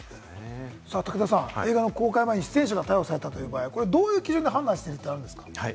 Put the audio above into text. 武田さん、映画の公開前に出演者が逮捕された場合、どういう基準で判断するってあるんですか？